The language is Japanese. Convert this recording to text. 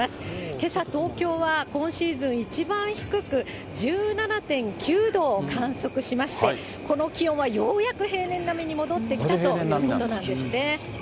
けさ、東京は今シーズン一番低く、１７．９度を観測しまして、この気温は、ようやく平年並みに戻ってきたということなんですね。